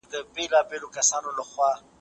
زړې ښځې په کوچ کې پښې ورغونډې کړې دي.